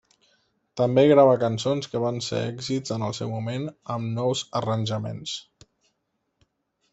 També grava cançons que van ser èxits en el seu moment amb nous arranjaments.